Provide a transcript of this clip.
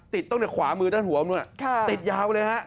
ตั้งแต่ขวามือด้านหัวมันด้วยติดยาวเลยฮะ